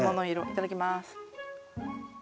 いただきます。